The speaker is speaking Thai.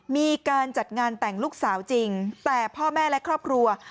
มีการจัดงานแต่งลูกสาวจริงแต่พ่อแม่และครอบครัว